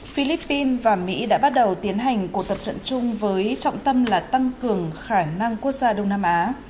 philippines và mỹ đã bắt đầu tiến hành cuộc tập trận chung với trọng tâm là tăng cường khả năng quốc gia đông nam á